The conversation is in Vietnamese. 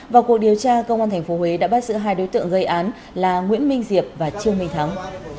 vào cuộc điều tra công an tp huế đã bắt giữ hai đối tượng gây án là nguyễn minh diệp và trương minh thắng